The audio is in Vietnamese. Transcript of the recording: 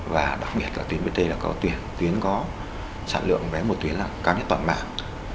và đặc biệt là tuyến brt là có tuyến có sản lượng với một tuyến là cao nhất toàn mạng